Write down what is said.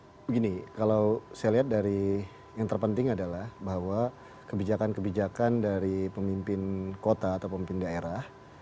begini kalau saya lihat dari yang terpenting adalah bahwa kebijakan kebijakan dari pemimpin kota atau pemimpin daerah